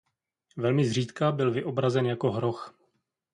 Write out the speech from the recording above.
Velmi zřídka byl vyobrazen jako hroch.